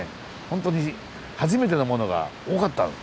ホントに初めてのものが多かったうん。